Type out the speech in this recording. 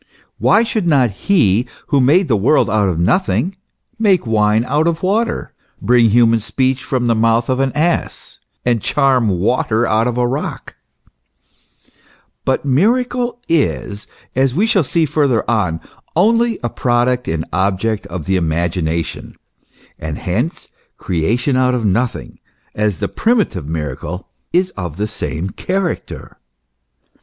Why should not He who made the world out of nothing, make wine out of water, bring human speech from the mouth of an ass, and charm water out of a rock ? But miracle is, as we shall see further on, only a product and object of the imagination, and hence creation out of nothing, as the primitive miracle, is of the same character.